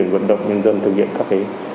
vận động nhân dân thực hiện các cái